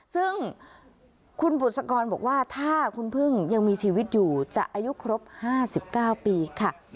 ซึ่งคุณบุษกรบอกว่าถ้าคุณพึ่งยังมีชีวิตอยู่จะอายุครบ๕๙ปีค่ะ